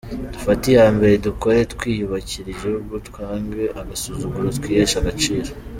Dufate iya mbere dukore, twiyubakire igihugu, twange agasuzuguro, twiheshe agaciro.